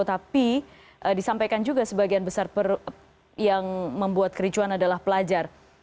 tapi disampaikan juga sebagian besar yang membuat kericuan adalah pelajar